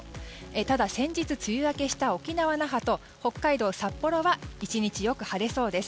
ただ先日、梅雨明けした沖縄・那覇と北海道札幌は１日、よく晴れそうです。